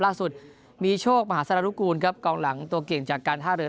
ล่าสุดมีโชคมหาสารนุกูลครับกองหลังตัวเก่งจากการท่าเรือ